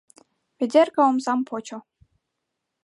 Ведерка омсам почо.